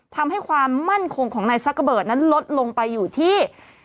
ทำให้ความมั่นคงของนายซักเกอร์เบิร์ตนั้นลดลงไปอยู่ที่